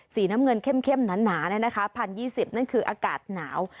สีน้ำเงินเข้มเข้มหนาหนานะนะคะพันยี่สิบนั่นคืออากาศหนาว